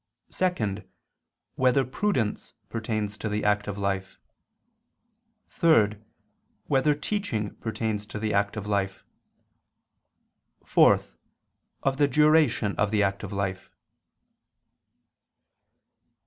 (2) Whether prudence pertains to the active life? (3) Whether teaching pertains to the active life? (4) Of the duration of the active life.